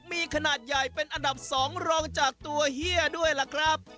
มีขนาดใหญ่เป็นอันดับ๒รองจากตัวเฮียด้วยล่ะครับ